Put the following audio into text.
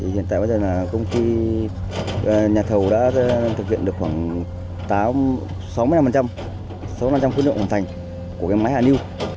hiện tại bây giờ là công ty nhà thầu đã thực hiện được khoảng sáu mươi năm quyết định hoàn thành của cái máy hạ lưu